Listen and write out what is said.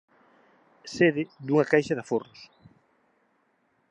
Sede dunha caixa de aforros